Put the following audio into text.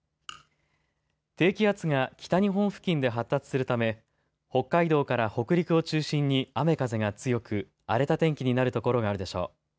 低気圧が北日本付近で発達するため、北海道から北陸を中心に雨風が強く荒れた天気になるところがあるでしょう。